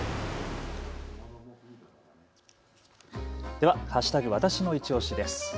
では＃わたしのいちオシです。